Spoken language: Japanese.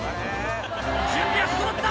準備は整った！